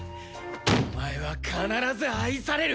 お前は必ず愛される！